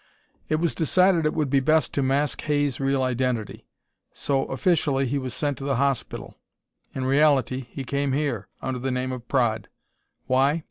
"It was decided it would be best to mask Hay's real identity. So, officially, he was sent to the hospital; in reality he came here, under the name of Praed. Why?